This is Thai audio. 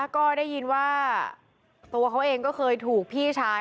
ก็ได้ยินว่าตัวเขาเองก็เคยถูกพี่ชาย